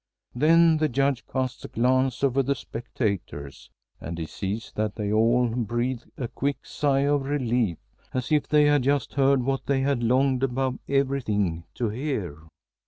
Then the Judge casts a glance over the spectators, and he sees that they all breathe a quick sigh of relief, as if they had just heard what they had longed above everything to hear.